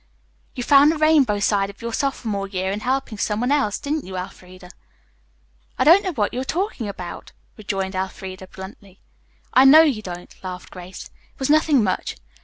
"You found the rainbow side of your sophomore year in helping some one else, didn't you, Elfreda?" "I don't know what you are talking about," rejoined Elfreda bluntly. "I know you don't," laughed Grace. "It was nothing much.